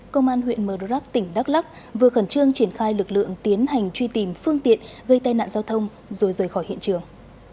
công an huyện mờ rắc tỉnh đắk lắc vừa khẩn trương triển khai lực lượng tiến hành truy tìm phương tiện gây tai nạn giao thông rồi rời khỏi hiện trường